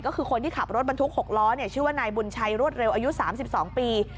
ก็คือคนที่ขับรถบรรทุก๖ล้อชื่อว่านายบุญชัยรวดเร็วอายุ๓๒ปี